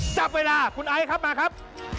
จับเวลาคุณไอซ์ครับมาครับ